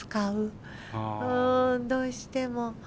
うんどうしても。